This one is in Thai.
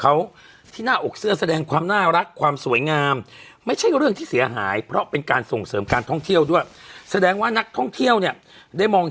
แล้วไปตรงกับโรงเรียนมีขุมมีเข็มแล้วไปตีกันอย่างเงี้ยผิดอ่า